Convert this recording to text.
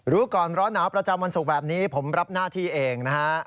รู้ก่อนร้อนหนาวประจำวันศุกร์แบบนี้ผมรับหน้าที่เองนะฮะ